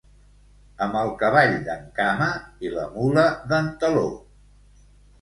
Amb el cavall d'en Cama i la mula d'en Taló.